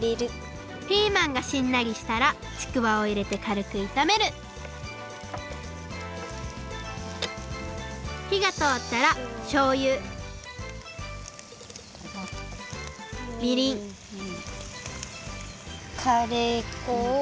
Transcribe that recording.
ピーマンがしんなりしたらちくわをいれてかるくいためるひがとおったらしょうゆみりんカレーこを。